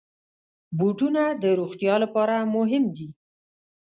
بوټونه د روغتیا لپاره مهم دي.